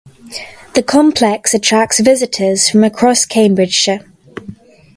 The complex attracts visitors from across Cambridgeshire.